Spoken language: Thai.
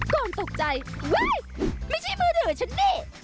ก่อนตกใจเฮ้ยไม่ใช่มือถือฉันนี่